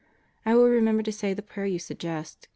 I will remember to say the prayer you suggest.